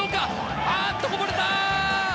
あっとこぼれた！